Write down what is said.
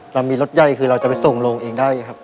เรามีรถใหญ่คือเราจะไปส่งโรงเองได้ครับ